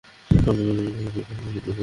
সে তো প্রকাশ্য শত্রু ও বিভ্রান্তকারী।